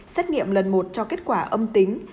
xét nghiệm lần một cho kết quả âm tính